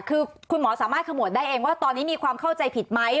คือคุณหมอสามารถขมวดได้เองว่าตอนนี้มีความเข้าใจผิดไหม